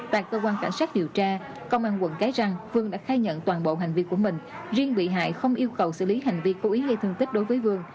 tại cơ quan cảnh sát điều tra công an quận cái răng phương đã khai nhận toàn bộ hành vi của mình riêng bị hại không yêu cầu xử lý hành vi cố ý gây thương tích đối với vương